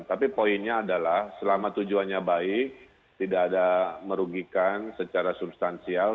tapi poinnya adalah selama tujuannya baik tidak ada merugikan secara substansial